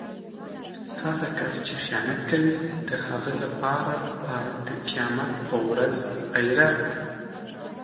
هغه کس چې خیانت کوي د هغه لپاره به د قيامت په ورځ بیرغ